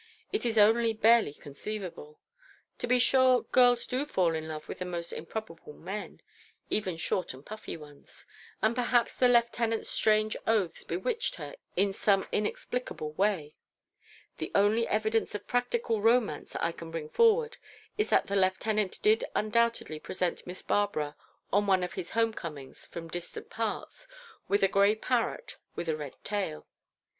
It is only barely conceivable. To be sure, girls do fall in love with the most improbable men: even short and puffy ones; and perhaps the lieutenant's strange oaths bewitched her in some inexplicable way. The only evidence of practical romance I can bring forward, is that the lieutenant did undoubtedly present Miss Barbara on one of his home comings from distant parts with a grey parrot with a red tail.